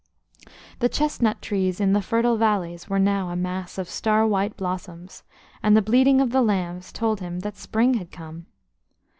The chestnut trees in the fertile valleys were now a mass of star white blossom, and the bleating of the lambs told him that spring had come.